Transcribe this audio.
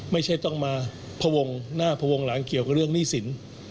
ไม่ใช่ต้องมาพวงหน้าพวงหลังเกี่ยวกับเรื่องหนี้สิน